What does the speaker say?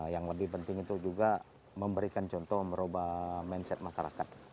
yang lebih penting itu juga memberikan contoh merubah mindset masyarakat